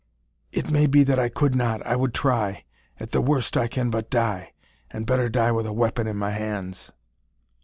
"It may be that I could not. I would try. At the worst, I can but die; and better die with a weapon in my hands!"